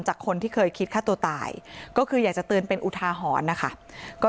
คนที่เคยคิดฆ่าตัวตายก็คืออยากจะเตือนเป็นอุทาหรณ์นะคะก็